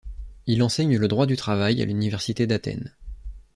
Il enseigne le droit du travail à l'université d'Athènes.